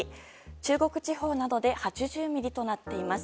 中国地方などで８０ミリとなっています。